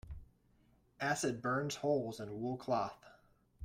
Acid burns holes in wool cloth.